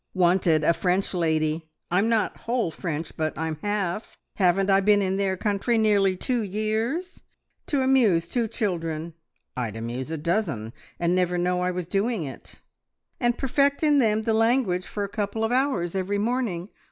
"`Wanted a French lady.' I'm not whole French, but I'm half. Haven't I been in their country nearly two years? `To amuse two children.' I'd amuse a dozen, and never know I was doing it! `And perfect them in the language for a couple of hours every morning.'